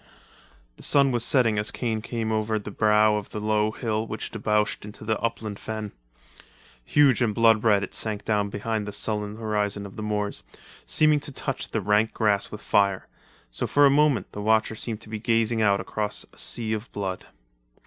The sun was setting as Kane came over the brow of the low hill which debouched into the upland fen. Huge and blood red it sank down behind the sullen horizon of the moors, seeming to touch the rank grass with fire; so for a moment the watcher seemed to be gazing out across a sea of blood.